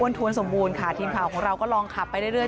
ทวนสมบูรณ์ค่ะทีมข่าวของเราก็ลองขับไปเรื่อย